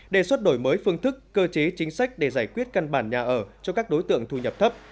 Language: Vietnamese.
đề xuất đổi mới phương thức cơ chế chính sách để giải quyết căn bản nhà ở cho các đối tượng thu nhập thấp